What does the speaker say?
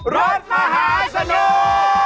รถมหาสนุก